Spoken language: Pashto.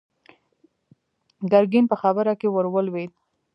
ګرګين په خبره کې ور ولوېد.